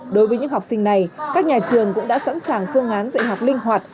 đối với những học sinh này các nhà trường cũng đã sẵn sàng phương án dạy học linh hoạt